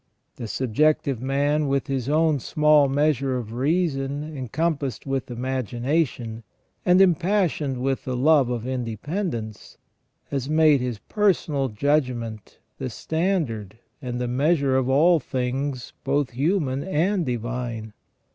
The subjective man, with his own small measure of reason encompassed with imagination, and impas sioned with the love of independence, has made his personal judgment the standard and the measure of all things both human and divine.